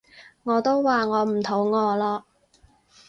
我都話我唔肚餓咯